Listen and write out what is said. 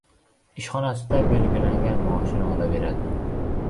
Ishxonasida belgilangan maoshini olaveradi.